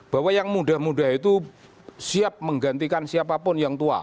bahwa yang muda muda itu siap menggantikan siapapun yang tua